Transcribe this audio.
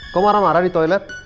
kok marah marah di toilet